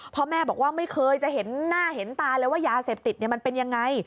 พ่อแม่บอกว่าไม่เคยจะเห็นหน้าเห็นตาเลยว่ายาเสพติดมันเป็นยังไง